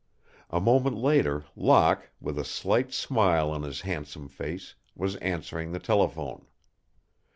A moment later Locke, with a slight smile on his handsome face, was answering the telephone.